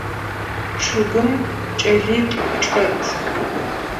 Чъыгым кӏэлитӏу чӏэт.